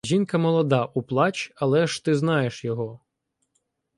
Жінка молода — у плач, але ти ж знаєш його!